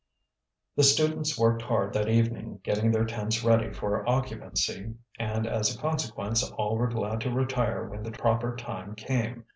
The students worked hard that evening getting their tents ready for occupancy and as a consequence all were glad to retire when the proper time came.